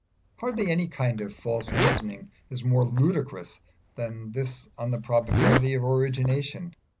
Hardly any kind of false reasoning is more ludicrous than this on the probabilities of origination.